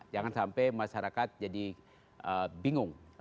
jangan sampai masyarakat jadi bingung